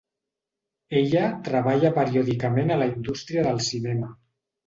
Ella treballa periòdicament a la indústria del cinema.